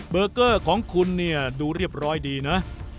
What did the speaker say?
เบอร์เกอร์ของคุณเนี่ยดูเรียบร้อยดีนะ